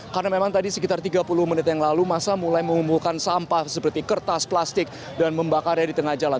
karena memang tadi sekitar tiga puluh menit yang lalu masa mulai mengumpulkan sampah seperti kertas plastik dan membakarnya di tengah jalan